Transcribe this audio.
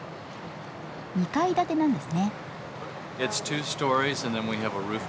２階建てなんですね。